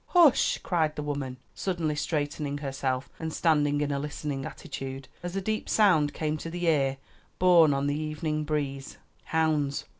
"Hush!" cried the woman, suddenly straightening herself, and standing in a listening attitude, as a deep sound came to the ear, borne on the evening breeze. "Hounds!